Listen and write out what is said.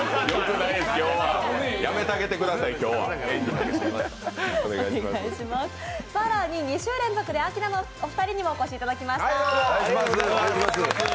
やめたげてください、今日は更に２週連続でアキナのお二人にもお越しいただきました。